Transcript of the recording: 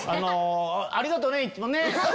ありがとねいつもね。